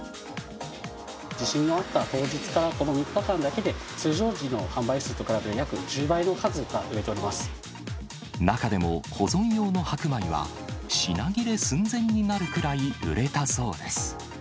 地震があった当日からこの３日間だけで、通常時の販売数と比べ、約１０倍の数が売れておりま中でも保存用の白米は、品切れ寸前になるくらい売れたそうです。